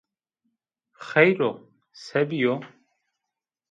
Xeyr o, se bîyo?